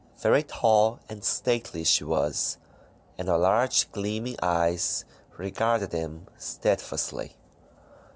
Very tall and stately she was, and her large gleaming eyes regarded him stead fastly.